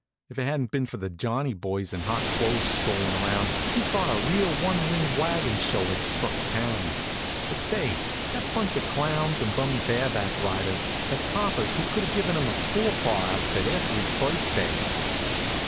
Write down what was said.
If it hadn't been for the Johnnie boys in hot clothes strollin' around you'd thought a real one ring wagon show had struck town. But say, that bunch of clowns and bum bareback riders had papas who could have given 'em a Forepaugh outfit every birthday.